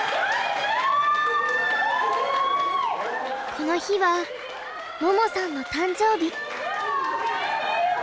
この日は桃さんの誕生日。